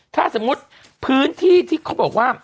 ถ้าสมมุติพื้นที่ที่เขาบอกว่า